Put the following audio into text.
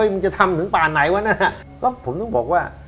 วันไหนวะนั้น